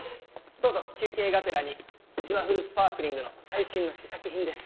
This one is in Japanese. どうぞ休憩がてらに「ジュワフルスパークリング」の最新の試作品です。